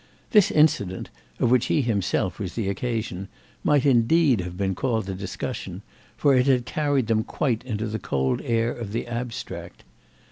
This incident, of which he himself was the occasion, might indeed have been called a discussion, for it had carried them quite into the cold air of the abstract.